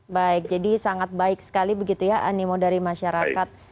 baik jadi sangat baik sekali begitu ya animo dari masyarakat